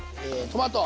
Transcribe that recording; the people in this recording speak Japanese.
トマト！